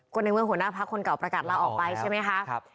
คนในเมืองหัวหน้าพักษ์คนเก่าประกันแล้วออกไปใช่ไหมครับ